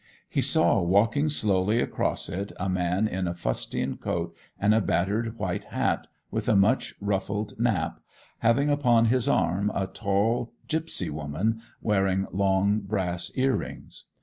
He saw walking slowly across it a man in a fustian coat and a battered white hat with a much ruffled nap, having upon his arm a tall gipsy woman wearing long brass earrings.